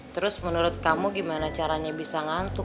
terus menurut kamu gimana caranya bisa ngantuk